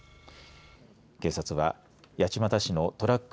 警察は八街市のトラック